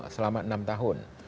selama enam tahun